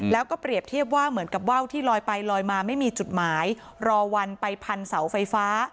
แล้วก็เปรียบเทียบว่าเหมือนกับว่าวที่ลอยไปลอยมาไม่มีจุดหมายรอวันไปพันเสาไฟฟ้า